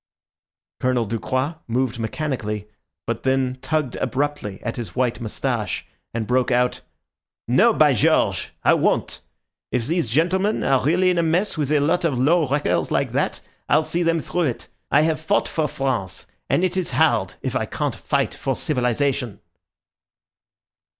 Colonel Ducroix moved mechanically, but then tugged abruptly at his white moustache and broke out— "No, by George! I won't. If these gentlemen are really in a mess with a lot of low wreckers like that, I'll see them through it. I have fought for France, and it is hard if I can't fight for civilization."